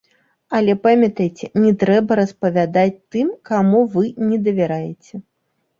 Але памятайце, не трэба распавядаць тым, каму вы не давяраеце!